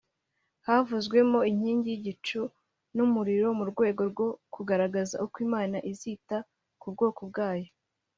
havuzwemo inkingi y’igicu n’umuriro mu rwego rwo kugaragaza uko imana izita ku bwoko bwayo